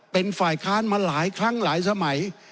เป็นฝ่ายค้านมาหลายครั้งหลายสมัย